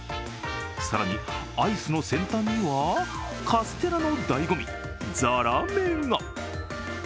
更に、アイスの先端にはカステラのだいご味・ざらめが。